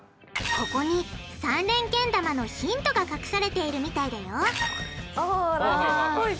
ここに３連けん玉のヒントが隠されているみたいだよぽいぽいぽい。